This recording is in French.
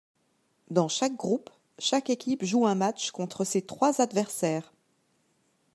Dans chaque groupe, chaque équipe joue un match contre ses trois adversaires.